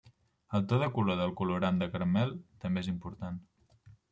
El to de color del colorant de caramel també és important.